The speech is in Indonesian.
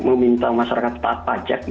meminta masyarakat tahan pajak